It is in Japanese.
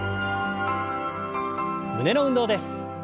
胸の運動です。